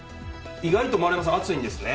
意外と丸山さん熱いんですね？